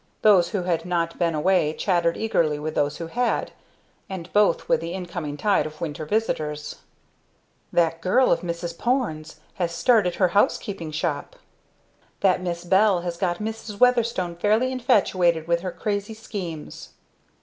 Those who had not been away chattered eagerly with those who had, and both with the incoming tide of winter visitors. "That girl of Mrs. Porne's has started her housekeeping shop!" "That 'Miss Bell' has got Mrs. Weatherstone fairly infatuated with her crazy schemes."